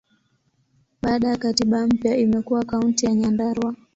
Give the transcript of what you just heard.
Baada ya katiba mpya, imekuwa Kaunti ya Nyandarua.